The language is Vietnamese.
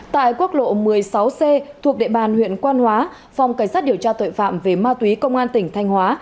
tại quốc lộ một mươi sáu c thuộc địa bàn huyện quan hóa phòng cảnh sát điều tra tội phạm về ma túy công an tỉnh thanh hóa